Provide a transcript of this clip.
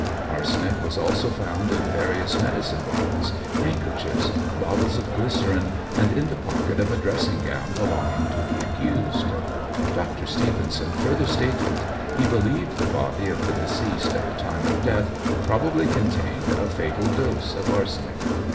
Arsenic was also found in various medicine bottles, handkerchiefs, bottles of glycerine, and in the pocket of a dressing gown belonging to the accused. Dr. Stevenson further stated, he believed the body of the deceased at the time of death probably contained a fatal dose of arsenic.